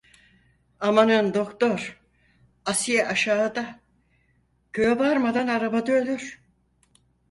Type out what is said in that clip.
Amanın doktor, Asiye aşağıda. Köye varmadan arabada ölür.